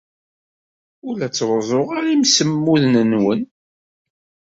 Ur la ttruẓuɣ ara imsemmuden-nwen.